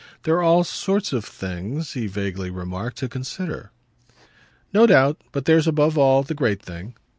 "There are all sorts of things," he vaguely remarked, "to consider." "No doubt. But there's above all the great thing."